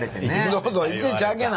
そうそう「いちいち開けな！」